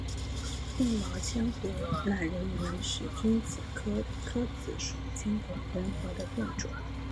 硬毛千果榄仁为使君子科诃子属千果榄仁的变种。